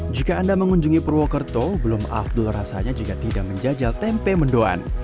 jika anda mengunjungi purwokerto belum afdul rasanya jika tidak menjajal tempe mendoan